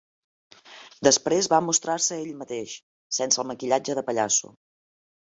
Després va mostrar-se ell mateix, sense el maquillatge de pallasso.